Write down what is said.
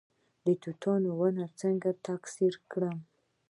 د توتانو ونې څنګه تکثیر کړم؟